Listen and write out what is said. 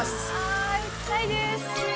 行きたいです。